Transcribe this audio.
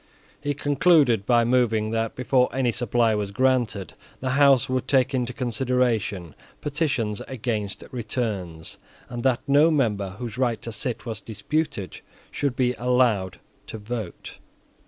He concluded by moving that, before any supply was granted, the House would take into consideration petitions against returns, and that no member whose right to sit was disputed should be allowed to vote.